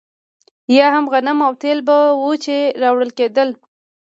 یا هم غنم او تېل به وو چې راوړل کېدل.